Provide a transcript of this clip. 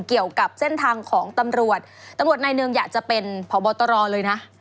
เกี่ยวกับเส้นทางของตำรวจตำรวจนายหนึ่งอยากจะเป็นพบตรเลยนะ